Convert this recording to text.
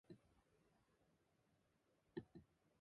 It is not necessarily unique.